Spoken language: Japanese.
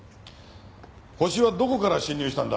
犯人はどこから侵入したんだ？